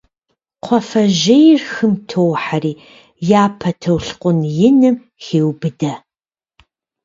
Кхъуафэжьейр хым тохьэри, япэ толъкъун иным хеубыдэ.